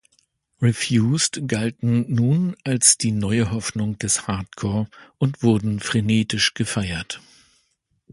Refused galten nun als die neue Hoffnung des Hardcore und wurden frenetisch gefeiert.